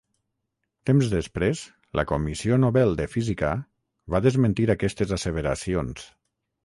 Temps després la comissió Nobel de física va desmentir aquestes asseveracions.